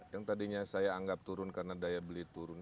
yang tadinya saya anggap turun karena daya beli turun